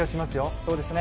そうですね。